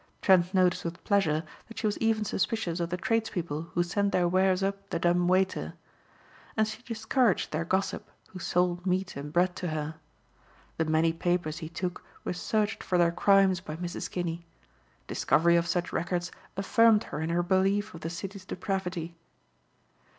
Trent noticed with pleasure that she was even suspicious of the tradespeople who sent their wares up the dumb waiter. And she discouraged their gossip who sold meat and bread to her. The many papers he took were searched for their crimes by Mrs. Kinney. Discovery of such records affirmed her in her belief of the city's depravity.